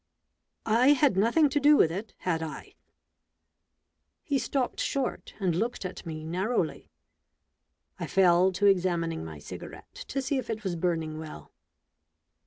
" I had nothing to do with it, had I ?" He stopped short and looked at me narrowly. I fell to examining my cigarette to see if it was burning well.